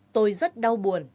tôi rất đau buồn